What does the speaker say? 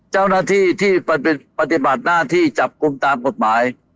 เจ้าหน้าที่ที่ไปปฏิบัติหน้าที่จับกลุ่มตามกฎหมาย